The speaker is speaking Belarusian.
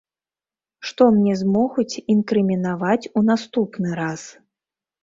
Што мне змогуць інкрымінаваць у наступны раз?